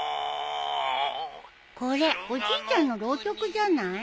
これおじいちゃんの浪曲じゃない？